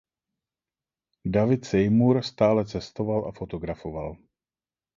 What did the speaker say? David Seymour stále cestoval a fotografoval.